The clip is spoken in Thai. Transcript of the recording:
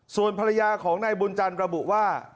ส่วนภรรยาของนายบุญจันทร์ระบุว่า